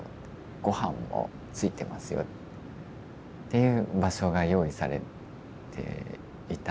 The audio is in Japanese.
ごはんもついてますよっていう場所が用意されていたんですよね。